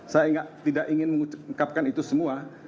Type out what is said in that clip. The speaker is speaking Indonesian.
saya tidak ingin mengungkapkan itu semua